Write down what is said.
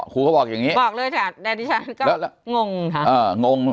ครูก็บอกอย่างงี้บอกเลยค่ะแดดดิฉันก็งงค่ะเอองง